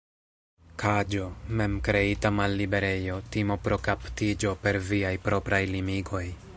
Kaĝo: Mem-kreita malliberejo; timo pro kaptiĝo per viaj propraj limigoj.